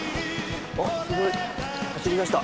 おっすごい走りだした。